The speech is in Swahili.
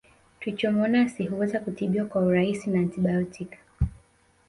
Trichomonasi huweza kutibiwa kwa urahisi na antibaotiki